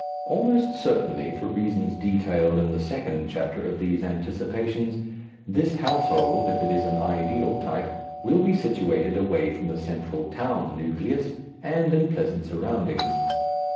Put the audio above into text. Almost certainly, for reasons detailed in the second chapter of these Anticipations, this household, if it is an ideal type, will be situated away from the central "Town" nucleus and in pleasant surroundings.